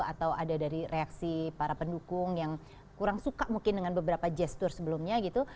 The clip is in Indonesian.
atau ada dari reaksi para pendukung yang kurang suka mungkin dengan beberapa gestur sebelumnya gitu